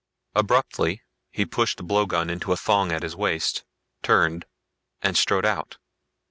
Abruptly, he pushed the blowgun into a thong at his waist, turned and strode out.